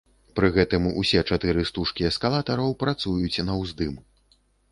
Пры гэтым усе чатыры стужкі эскалатараў працуюць на ўздым.